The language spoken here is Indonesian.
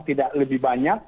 tidak lebih banyak